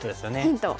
ヒント。